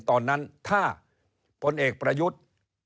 ตอนนั้นถ้าพลเอกประยุทธ์